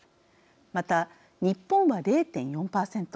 また、日本は０．４％。